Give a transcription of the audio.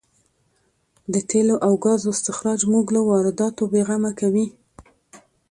د تېلو او ګازو استخراج موږ له وارداتو بې غمه کوي.